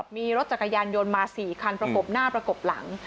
มีรถจักรยานยนต์มา๔คันประกบหน้าประกบหลัง